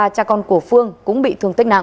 ba cha con của phương cũng bị thương tích nặng